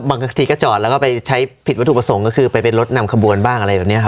บางทีก็จอดแล้วก็ไปใช้ผิดวัตถุประสงค์ก็คือไปเป็นรถนำขบวนบ้างอะไรแบบนี้ค่ะ